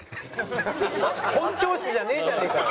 本調子じゃねえじゃねえかよ。